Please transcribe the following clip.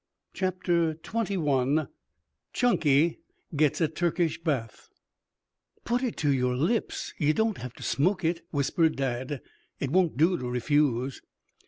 CHAPTER XXI CHUNKY GETS A TURKISH BATH "Put it to your lips. You don't have to smoke it," whispered Dad. "It won't do to refuse."